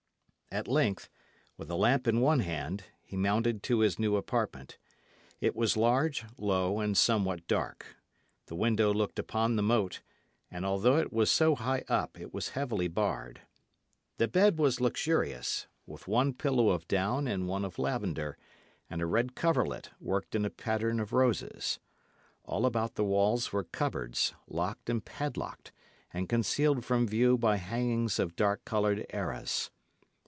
At length, with a lamp in one hand, he mounted to his new apartment. It was large, low, and somewhat dark. The window looked upon the moat, and although it was so high up, it was heavily barred. The bed was luxurious, with one pillow of down and one of lavender, and a red coverlet worked in a pattern of roses. All about the walls were cupboards, locked and padlocked, and concealed from view by hangings of dark coloured arras.